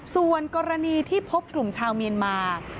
ส่วนกรณีที่พบกลุ่มชาวเมียนมา